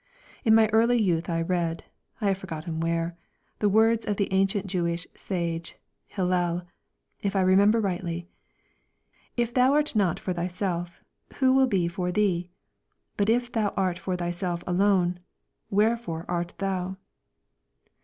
In my early youth I read I have forgotten where the words of the ancient Jewish sage Hillel, if I remember rightly: "If thou art not for thyself, who will be for thee? But if thou art for thyself alone wherefore art thou?"